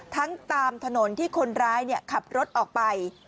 ทั้งตามถนนที่คนร้ายเนี่ยขับรถออกไป